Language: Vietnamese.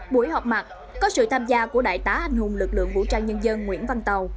buổi họp mặt có sự tham gia của đại tá anh hùng lực lượng vũ trang nhân dân nguyễn văn tàu